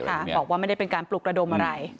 บอกว่าไม่ได้เป็นการปลุกระดมอะไร